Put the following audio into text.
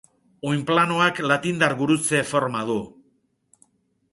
Oinplanoak latindar gurutze forma du.